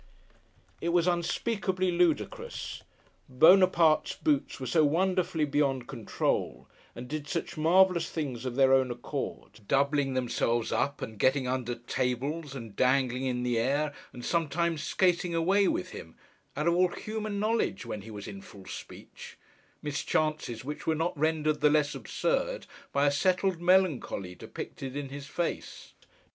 It was unspeakably ludicrous. Buonaparte's boots were so wonderfully beyond control, and did such marvellous things of their own accord: doubling themselves up, and getting under tables, and dangling in the air, and sometimes skating away with him, out of all human knowledge, when he was in full speech—mischances which were not rendered the less absurd, by a settled melancholy depicted in his face.